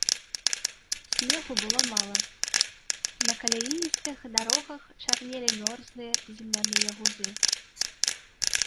Снегу было мала, на каляіністых дарогах чарнелі мёрзлыя земляныя гузы.